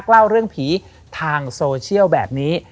เล่าเรื่องผีทางโซเชียลแบบนี้